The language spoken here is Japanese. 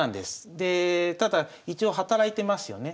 でただ一応働いてますよね。